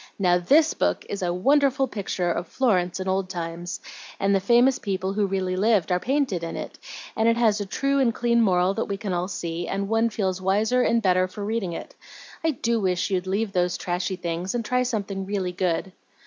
Now, THIS book is a wonderful picture of Florence in old times, and the famous people who really lived are painted in it, and it has a true and clean moral that we can all see, and one feels wiser and better for reading it. I do wish you'd leave those trashy things and try something really good."